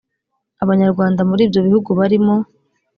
abanyarwanda muri ibyo bihugu barimo